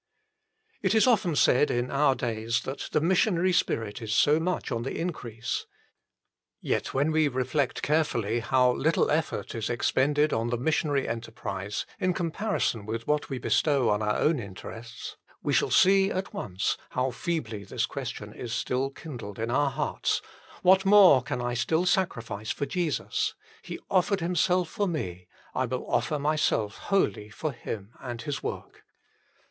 It is often said in our days that the missionary 1 Acts i. 8. 61 spirit is so much on the increase. Yet when we reflect carefully how little effort is expended on the missionary enterprise in comparison with what we bestow on our own interests, we shall see at once how feebly this question is still kindled in our hearts :" What more can I still sacrifice for Jesus ? He offered Himself for me. I will offer myself wholly for Him and His work."